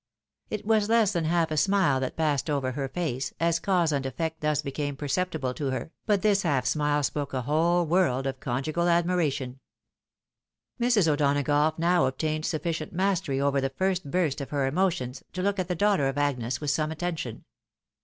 It was less than half a smile that passed over her face, as cause and effect thus became perceptible to her, but this half snule spoke a whole world of conjugal admiration. Mrs. O'Donagough now obtained sufficient mastery over the first burst of her emotions, to look at the daughter of Agnes with some attention.